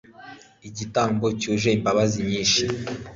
igitambo cyuje imbabazi nyinshi